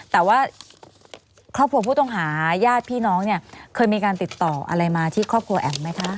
แต่ว่าครอบครัวผู้ต้องหาญาติพี่น้องเนี่ยเคยมีการติดต่ออะไรมาที่ครอบครัวแอ๋มไหมคะ